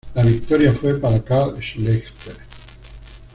La victoria fue para Carl Schlechter.